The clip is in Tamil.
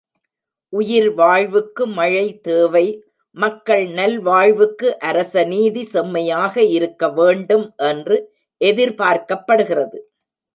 உயிர்வாழ்வுக்கு மழை தேவை மக்கள் நல்வாழ்வுக்கு அரசநீதி செம்மையாக இருக்க வேண்டும் என்று எதிர் பார்க்கப்படுகிறது.